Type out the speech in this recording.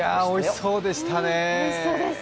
おいしそうでしたね。